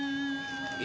tidak bang udien